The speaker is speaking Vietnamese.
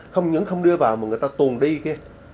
không những không đưa vào mà người ta tuồn đi kia